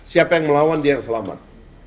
siapa yang melawan dia yang selamat